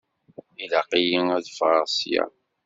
Ilaq-iyi ad ffɣeɣ ssya.